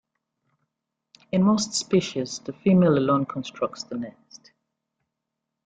In most species the female alone constructs the nest.